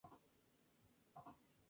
Tiene una hermana mayor, Cordelia.